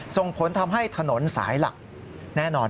ส่งผลทำให้ถนนสายหลักแน่นอน